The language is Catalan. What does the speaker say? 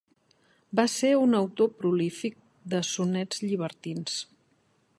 Va ser un autor prolífic de sonets llibertins.